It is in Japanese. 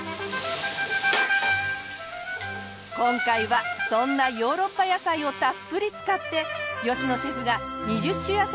今回はそんなヨーロッパ野菜をたっぷり使って野シェフが２０種野菜のランチ